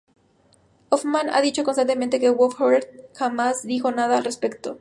Hoffman ha dicho constantemente que Woodward jamás dijo nada al respecto.